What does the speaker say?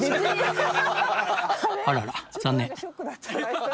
あらら残念